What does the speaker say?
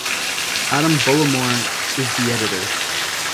Adam Bullimore is the editor.